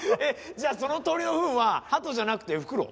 じゃあその鳥のフンはハトじゃなくてフクロウ？